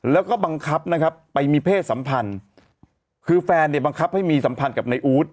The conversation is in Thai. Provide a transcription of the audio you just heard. แล้วก็บังคับนะครับไปมีเพศสัมพันธ์คือแฟนเนี่ยบังคับให้มีสัมพันธ์กับนายอู๊ด